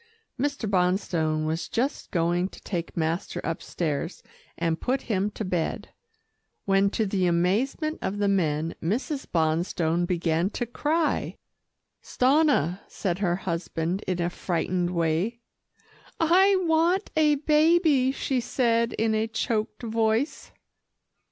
Mr. Bonstone was just going to take master upstairs, and put him to bed, when to the amazement of the men, Mrs. Bonstone began to cry. "Stanna," said her husband in a frightened way. "I want a baby," she said in a choked voice.